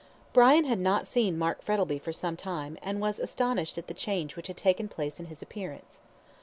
Brian had not seen Mark Frettlby for some time, and was astonished at the change which had taken place in his appearance.